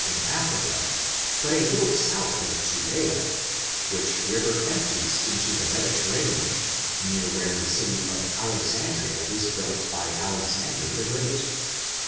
in Afirica, but a little south of Judea, which river empties into the Mediterranean, near where the city of Alexandria was built by Alexander the Great.